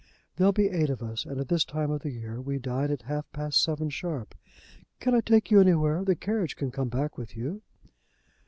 There'll be eight of us, and at this time of the year we dine at half past seven, sharp. Can I take you anywhere? The carriage can come back with you?"